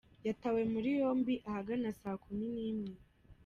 Yatawe muri yombi ahagana saa kumi n’imwe.